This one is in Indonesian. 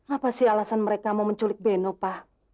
apa sih alasan mereka mau menculik beno pak